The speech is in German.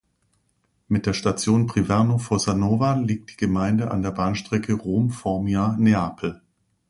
Mit der Station Priverno-Fossanova liegt die Gemeinde an der Bahnstrecke Rom–Formia–Neapel.